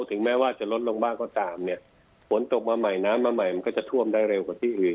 ถึงแม้ว่าจะลดลงบ้างก็ตามเนี่ยฝนตกมาใหม่น้ำมาใหม่มันก็จะท่วมได้เร็วกว่าที่อื่น